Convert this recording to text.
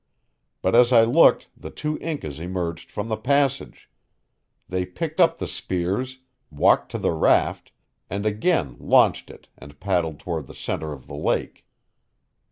But as I looked the two Incas emerged from the passage. They picked up the spears, walked to the raft, and again launched it and paddled toward the center of the lake.